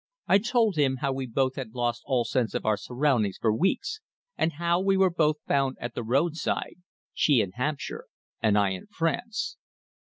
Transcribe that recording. I told him how we both had lost all sense of our surroundings for weeks, and how we were both found at the roadside, she in Hampshire and I in France.